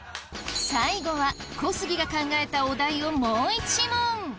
最後は小杉が考えたお題をもう１問。